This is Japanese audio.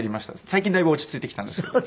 最近だいぶ落ち着いてきたんですけど。